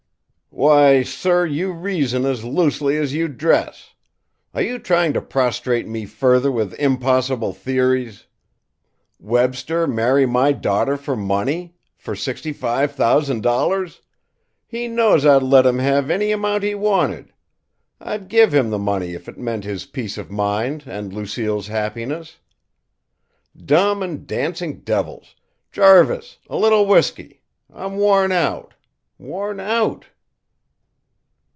Why, sir, you reason as loosely as you dress! Are you trying to prostrate me further with impossible theories? Webster marry my daughter for money, for sixty five thousand dollars? He knows I'd let him have any amount he wanted. I'd give him the money if it meant his peace of mind and Lucille's happiness. Dumb and dancing devils! Jarvis, a little whiskey! I'm worn out, worn out!"